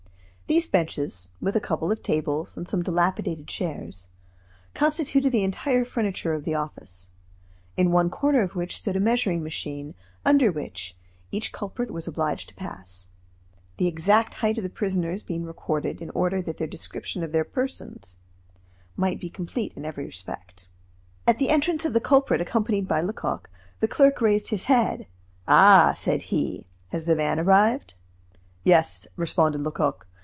These benches, with a couple of tables, and some dilapidated chairs, constituted the entire furniture of the office, in one corner of which stood a measuring machine, under which each culprit was obliged to pass, the exact height of the prisoners being recorded in order that the description of their persons might be complete in every respect. At the entrance of the culprit accompanied by Lecoq, the clerk raised his head. "Ah!" said he, "has the van arrived?" "Yes," responded Lecoq.